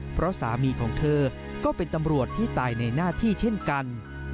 เพราะสามีของเธอก็เป็นตำรวจที่ตายในหน้าที่เช่นกัน